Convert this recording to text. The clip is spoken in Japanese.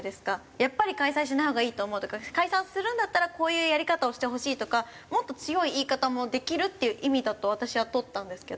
やっぱり開催しないほうがいいと思うとか開催するんだったらこういうやり方をしてほしいとかもっと強い言い方もできるっていう意味だと私はとったんですけど。